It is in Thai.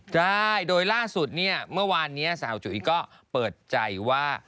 ได้โดยล่าสุดเนี่ยเมื่อวานนี้สาวจุ๋ยก็เปิดใจว่า